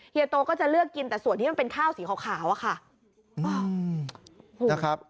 เฮีโตก็จะเลือกกินแต่ส่วนที่มันเป็นข้าวสีขาวอะค่ะ